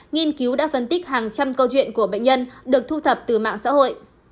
nghiên cứu đã phân tích hàng trăm câu chuyện của bệnh nhân được thu thập từ mạng xã hội